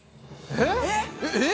えっ！